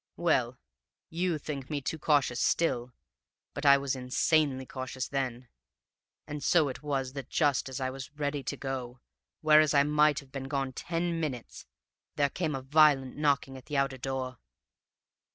Well, you think me too cautious still, but I was insanely cautious then. And so it was that, just as I was ready to go, whereas I might have been gone ten minutes, there came a violent knocking at the outer door.